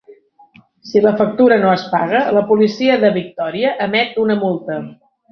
Si la factura no es paga, la policia de Victòria emet una multa.